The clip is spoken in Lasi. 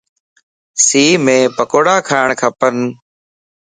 سيءَ مَ پڪوڙا کاڻ کپن